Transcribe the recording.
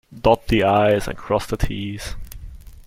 Dot the I's and cross the T's.